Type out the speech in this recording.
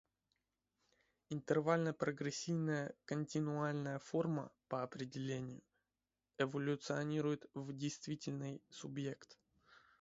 Интервально-прогрессийная континуальная форма, по определению, эволюционирует в действительный субъект.